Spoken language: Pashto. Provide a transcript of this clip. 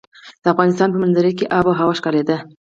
د افغانستان په منظره کې آب وهوا ښکاره ده.